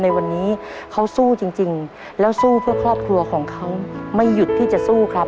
ในวันนี้เขาสู้จริงแล้วสู้เพื่อครอบครัวของเขาไม่หยุดที่จะสู้ครับ